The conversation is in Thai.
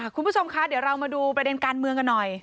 คุณผู้ชมคะเดี๋ยวเรามาดูประเด็นการเมืองกันหน่อย